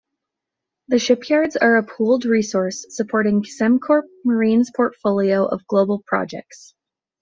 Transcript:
The shipyards are a pooled resource, supporting Sembcorp Marine's portfolio of global projects.